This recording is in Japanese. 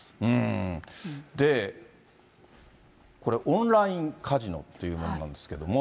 で、これ、オンラインカジノというものなんですけれども。